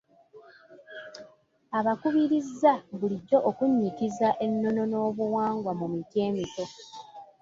Abakubirizza bulijjo okunnyikiza ennono n’obuwangwa mu miti emito.